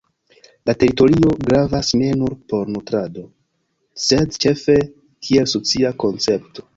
La teritorio gravas ne nur por nutrado sed ĉefe kiel socia koncepto.